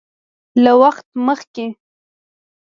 له وخت مخکې